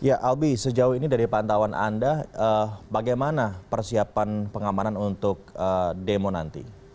ya albi sejauh ini dari pantauan anda bagaimana persiapan pengamanan untuk demo nanti